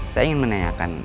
saya ingin menanyakan